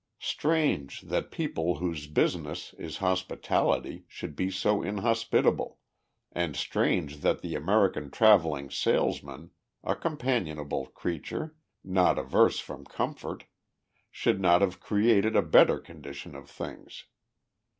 Strange that people whose business is hospitality should be so inhospitable, and strange that the American travelling salesman, a companionable creature, not averse from comfort, should not have created a better condition of things.